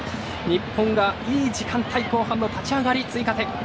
日本が、いい時間帯後半の立ち上がり追加点。